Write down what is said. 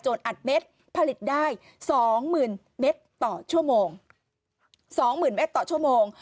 โจนอัดเม็ดผลิตได้๒๐๐๐๐เมตรต่อชั่วโมง๒๐๐๐๐เมตรต่อชั่วโมง